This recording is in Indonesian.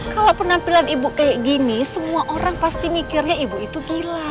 kalau penampilan ibu kayak gini semua orang pasti mikirnya ibu itu gila